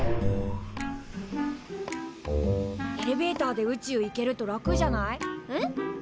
エレベーターで宇宙行けると楽じゃない？えっ？